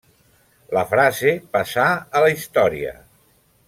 La frase passà a la història.